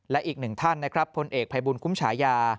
และอีก๑ท่านพเไพบูลคุ้มฉายา